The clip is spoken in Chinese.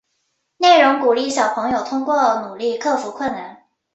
内容鼓励小朋友通过努力克服困难。